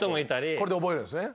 これで覚えるんですね。